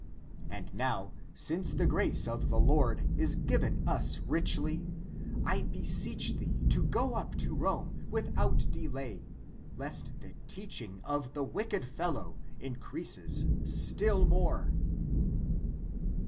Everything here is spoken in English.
And now since the grace of the Lord is given us richly, I beseech thee to go up to Rome without delay, lest the teaching of the wicked fellow increases still more."